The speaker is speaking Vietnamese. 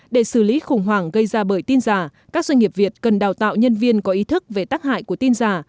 để xử lý khủng hoảng gây ra bởi tin giả các doanh nghiệp việt cần đào tạo nhân viên có ý thức về tác hại của tin giả